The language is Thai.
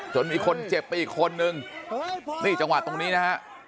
มีคนเจ็บไปอีกคนนึงนี่จังหวะตรงนี้นะฮะ